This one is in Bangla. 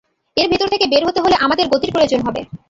এর ভেতর থেকে বের হতে হলে আমাদের গতির প্রয়োজন হবে।